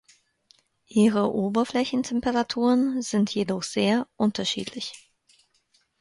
Ihre Oberflächentemperaturen sind jedoch sehr unterschiedlich.